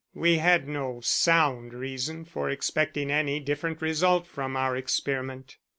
We had no sound reason for expecting any different result from our experiment."